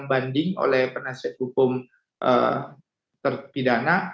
banding oleh penasihat hukum terpidana